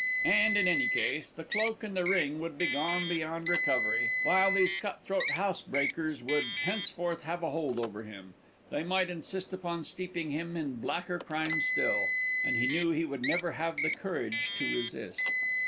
And, in any case, the cloak and the ring would be gone beyond recovery, while these cut throat housebreakers would henceforth have a hold over him; they might insist upon steeping him in blacker crime still, and he knew he would never have the courage to resist.